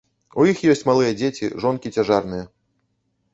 У іх ёсць малыя дзеці, жонкі цяжарныя.